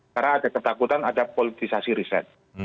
karena ada ketakutan ada politisasi riset